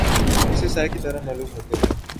کسی سائے کی طرح معلوم ہوتے تھے